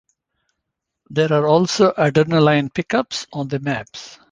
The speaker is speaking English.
There are also adrenaline pickups on the maps.